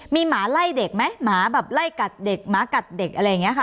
มีหมาไล่เด็กไหมหมาแบบไล่กัดเด็กหมากัดเด็กอะไรอย่างนี้ค่ะ